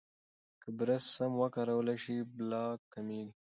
که برس سم وکارول شي، پلاک کمېږي.